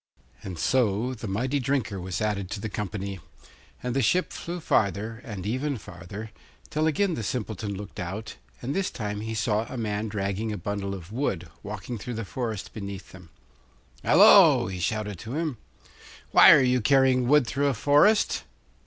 And so the mighty drinker was added to the company; and the ship flew farther, and even farther, till again the Simpleton looked out, and this time he saw a man dragging a bundle of wood, walking through the forest beneath them. 'Hallo!' he shouted to him, 'why are you carrying wood through a forest?